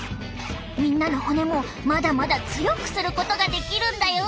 みんなの骨もまだまだ強くすることができるんだよ！